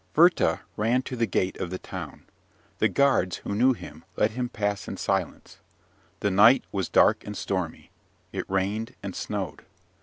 Werther ran to the gate of the town. The guards, who knew him, let him pass in silence. The night was dark and stormy, it rained and snowed.